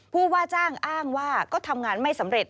ผู้ว่าจ้างอ้างว่าก็ทำงานไม่สำเร็จ